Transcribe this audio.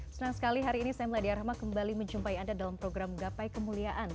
senang sekali hari ini saya meladia rahma kembali menjumpai anda dalam program gapai kemuliaan